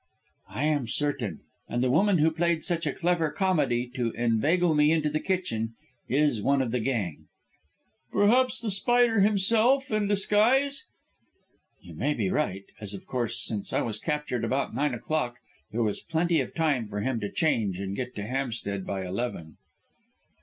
"I am certain, and the woman who played such a clever comedy to inveigle me into the kitchen is one of the gang." "Perhaps The Spider himself, in disguise?" "You may be right, as, of course, since I was captured about nine o'clock, there was plenty of time for him to change and get to Hampstead by eleven."